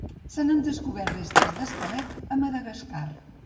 Se n'han descobert restes d'esquelet a Madagascar.